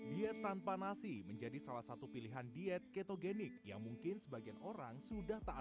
diet tanpa nasi menjadi salah satu pilihan diet ketogenik yang mungkin sebagian orang sudah tak